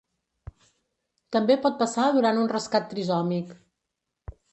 També pot passar durant un rescat trisòmic.